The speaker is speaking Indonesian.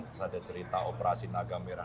terus ada cerita operasi naga merah